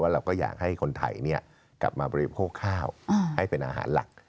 เราก็อยากให้คนไทยกลับมาบริโภคข้าวให้เป็นอาหารหลัก